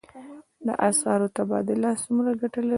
د اسعارو تبادله څومره ګټه لري؟